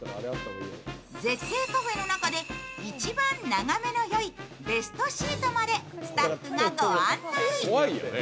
絶景カフェの中で一番眺めのよいベストシートまでスタッフがご案内。